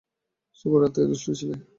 শুভ রাত্রি, দুষ্টু ছেলে।